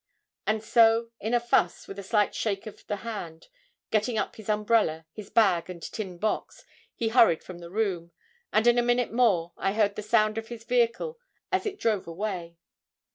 And so, in a fuss, with a slight shake of the hand, getting up his umbrella, his bag, and tin box, he hurried from the room; and in a minute more, I heard the sound of his vehicle as it drove away.